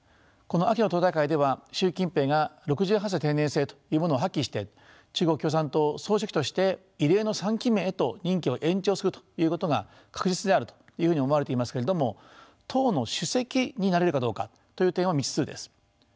この秋の党大会では習近平が６８歳定年制というものを破棄して中国共産党総書記として異例の３期目へと任期を延長するということが確実であるというふうに思われていますけれども党の主席になれるかどうかという点は未知数です。